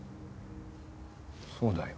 そうだよ。